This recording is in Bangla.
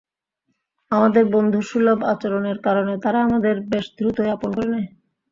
আমাদের বন্ধুসুলভ আচরণের কারণে তাঁরা আমাদের বেশ দ্রুতই আপন করে নেন।